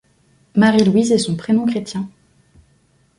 Marie-Louise est son prénom chrétien.